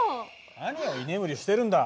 何を居眠りしてるんだ？